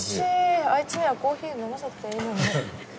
あいつにはコーヒー湯飲ませときゃいいのにね。